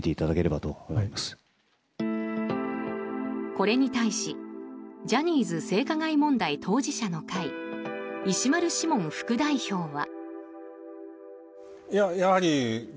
これに対しジャニーズ性加害問題当事者の会石丸志門副代表は。